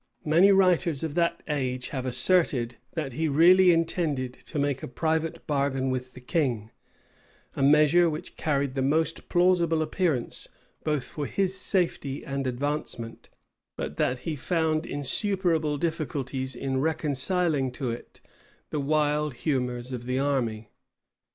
Many writers of that age have asserted,[] that he really intended to make a private bargain with the king; a measure which carried the most plausible appearance both for his safety and advancement; but that he found insuperable difficulties in reconciling to it the wild humors of the army.